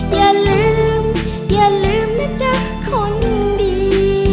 อย่าลืมอย่าลืมนะจ๊ะคนดี